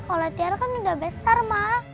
kalau tiara kan udah besar mah